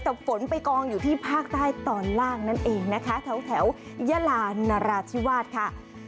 แต่ฝนไปกองอยู่ที่ภาคใต้ตอนล่างนั่นเองนะคะแถวยะลานราธิวาสค่ะ